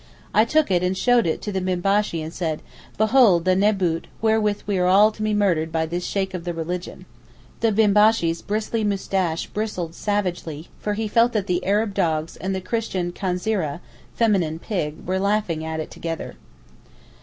I took it and showed it to the Bimbashee and said—'Behold the neboot wherewith we are all to be murdered by this Sheykh of the Religion.' The Bimbashee's bristly moustache bristled savagely, for he felt that the 'Arab dogs' and the Christian khanzeereh (feminine pig) were laughing at it together.